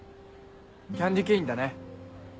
キャンディケインだね。